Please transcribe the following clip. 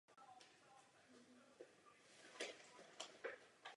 Padělání léčiv je pravděpodobně spojeno i se stávajícím systémem patentování.